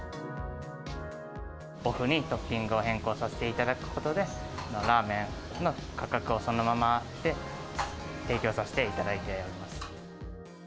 おふにトッピングを変更させていただくことで、ラーメンの価格をそのままにして、提供させていただいております。